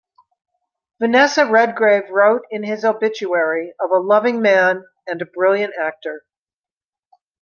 Vanessa Redgrave wrote in his obituary of a "loving man" and a "brilliant actor".